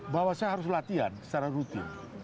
bahwa saya harus latihan secara rutin